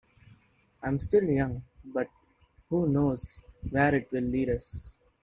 It's still young, but who knows where it will lead us.